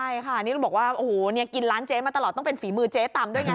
ใช่ค่ะนี่บอกว่าโอ้โหเนี่ยกินร้านเจ๊มาตลอดต้องเป็นฝีมือเจ๊ตำด้วยไง